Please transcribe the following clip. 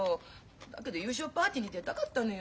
だけど優勝パーティーに出たかったのよ。